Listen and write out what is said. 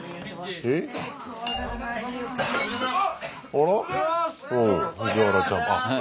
あらっ藤原ちゃん。